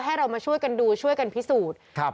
ให้เรามาช่วยกันดูช่วยกันพิสูจน์ครับ